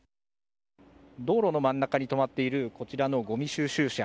道路の真ん中に止まっているこちらのごみ収集車。